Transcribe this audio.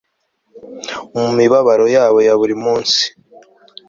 Mu mibabaro yabo ya buri munsi